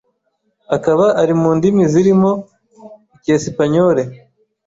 akaba ari mu ndimi zirimo Icyesipanyole